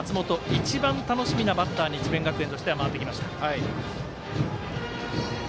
一番楽しみなバッターに智弁学園としては回ってきました。